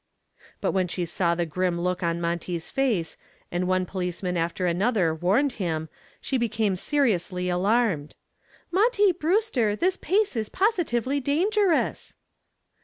But when she saw the grim look on Monty's face and one policeman after another warned him she became seriously alarmed. "Monty Brewster, this pace is positively dangerous."